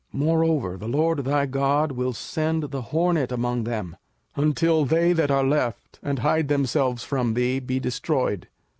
05:007:020 Moreover the LORD thy God will send the hornet among them, until they that are left, and hide themselves from thee, be destroyed.